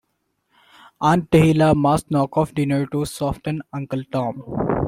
Aunt Dahlia must knock off dinner to soften Uncle Tom.